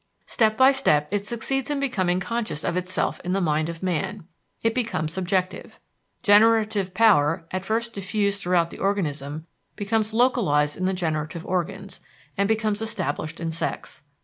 Step by step, it succeeds in becoming conscious of itself in the mind of man it becomes subjective. Generative power, at first diffused throughout the organism, becomes localized in the generative organs, and becomes established in sex.